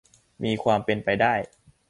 มีความเป็นไปได้